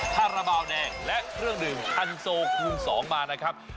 คาราบาลแดงและเครื่องดื่มคันโซคูณ๒มานะครับ